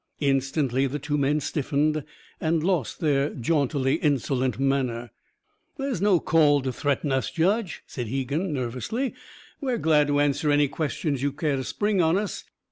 Instantly the two men stiffened and lost their jauntily insolent manner. "There's no call to threaten us, Judge," said Hegan, nervously. "We're glad to answer any questions you care to spring on us.